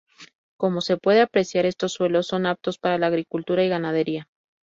Como se puede apreciar, estos suelos son aptos para la agricultura, y la ganadería.